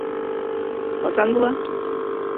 Ҡасан була?